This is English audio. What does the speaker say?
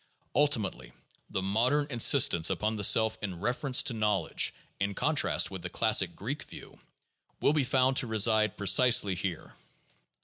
Ulti mately the modern insistence upon the self in reference to knowledge (in contrast with the classic Greek view) will be found to reside pre cisely here.